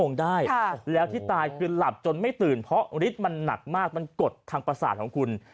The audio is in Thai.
กฎทางประสาทของคุณ